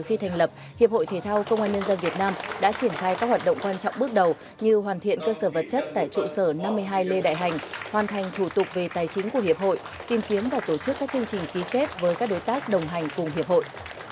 khi thành lập hiệp hội thể thao công an nhân dân việt nam đã triển khai các hoạt động quan trọng bước đầu như hoàn thiện cơ sở vật chất tại trụ sở năm mươi hai lê đại hành hoàn thành thủ tục về tài chính của hiệp hội tìm kiếm và tổ chức các chương trình ký kết với các đối tác đồng hành cùng hiệp hội